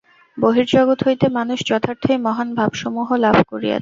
বহির্জগৎ হইতে মানুষ যথার্থই মহান ভাবসমূহ লাভ করিয়াছে।